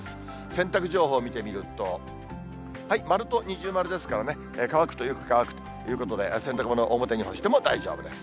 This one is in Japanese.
洗濯情報を見てみると、丸と二重丸ですからね、乾くとよく乾くということで、洗濯物、表に干しても大丈夫です。